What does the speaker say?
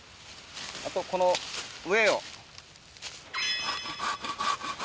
あとこの上を。